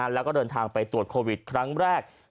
แล้วก็เดินทางไปตรวจโควิดครั้งแรก